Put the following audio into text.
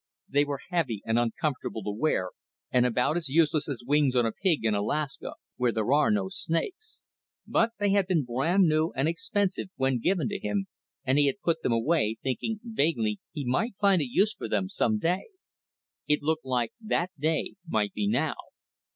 They were heavy and uncomfortable to wear, and about as useless as wings on a pig in Alaska, where there are no snakes; but they had been brand new and expensive when given to him, and he had put them away, thinking vaguely he might find a use for them some day. It looked like that day might be now.